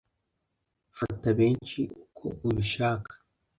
fata benshi uko ubishaka